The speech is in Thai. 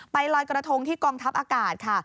ลอยกระทงที่กองทัพอากาศค่ะ